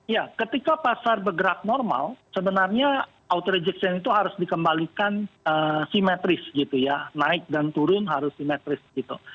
ya ketika pasar bergerak normal sebenarnya auto rejection itu harus dikembalikan simetris gitu ya naik dan turun harus simetris gitu